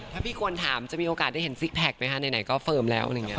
ถ้าพี่ควรถามจะมีโอกาสได้เห็นซิกแพคไหมคะไหนก็เฟิร์มแล้ว